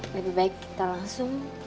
lebih baik kita langsung